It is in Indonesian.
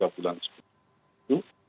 tiga bulan sepuluh